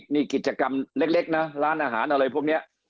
นี่กิจกรรมเล็กนะร้านอาหารอะไรพวกนี้